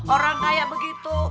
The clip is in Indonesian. orang kaya begitu